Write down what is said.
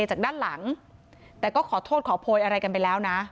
จากด้านหลังแต่ก็ขอโทษขอโพยอะไรกันไปแล้วนะ